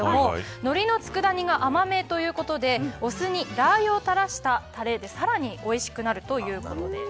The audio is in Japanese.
のりの佃煮が甘めということでお酢にラー油を垂らしたたれでさらにおいしくなるということです。